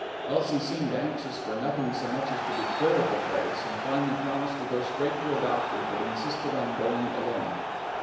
Elsie seemed anxious for nothing so much as to be clear of the place, and finally promised to go straight to a doctor, but insisted on going alone.